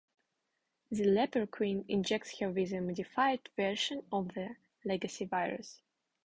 The Leper Queen injects her with a modified version of the Legacy Virus.